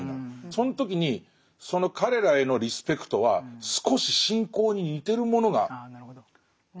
その時にその彼らへのリスペクトは少し信仰に似てるものがあると思う。